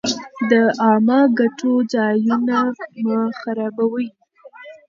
د عامه ګټو ځایونه مه خرابوئ.